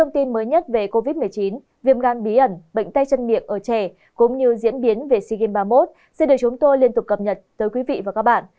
tiến viêm gan bí ẩn bệnh tay chân miệng ở trẻ cũng như diễn biến về sea games ba mươi một sẽ được chúng tôi liên tục cập nhật tới quý vị và các bạn